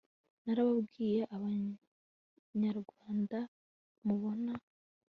narababwiye aba banyarwanda mubona